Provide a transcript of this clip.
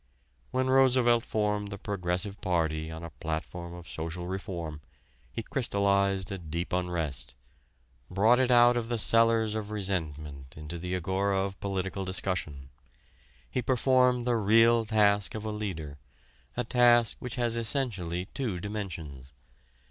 When Roosevelt formed the Progressive Party on a platform of social reform he crystallized a deep unrest, brought it out of the cellars of resentment into the agora of political discussion. He performed the real task of a leader a task which has essentially two dimensions.